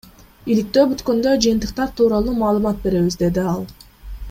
Иликтөө бүткөндө жыйынтыктар тууралуу маалымат беребиз, — деди ал.